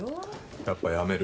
やっぱやめる。